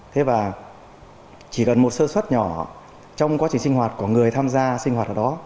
thế và chỉ cần một sơ suất nhỏ trong quá trình sinh hoạt của người tham gia sinh hoạt ở đó